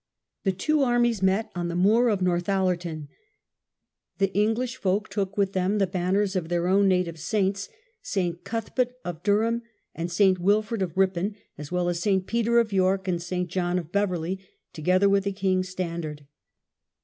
The two armies met on the moor of Northallerton. The English folk took with them the banners of their own native saints, S. Cuthbert of Dur ham and S. Wilfrid of Ripon, as well as S. Peter of York and S. John of Beverley — together with the king's stan dard.